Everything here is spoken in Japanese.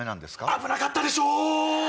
危なかったでしょ！